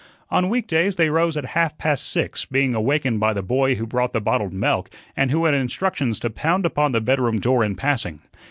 On weekdays they rose at half past six, being awakened by the boy who brought the bottled milk, and who had instructions to pound upon the bedroom door in passing.